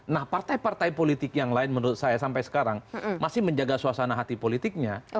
nah partai partai politik yang lain menurut saya sampai sekarang masih menjaga suasana hati politiknya